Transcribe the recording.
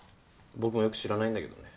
僕もよく知らないんだけどね。